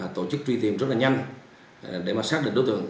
tổ chức truy tìm rất là nhanh để mà xác định đối tượng